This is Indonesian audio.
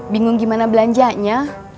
bingung gimana belanjanya